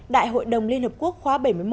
đại hội đồng liên hợp quốc khóa bảy mươi một